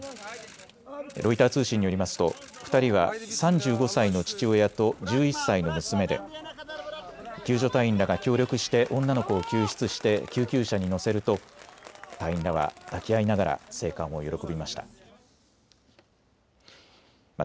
ロイター通信によりますと２人は３５歳の父親と１１歳の娘で救助隊員らが協力して女の子を救出して救急車に乗せると隊員らは抱き合いながら生還を喜びました。